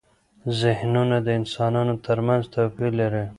زهنونه د انسانانو ترمنځ توپیر لري.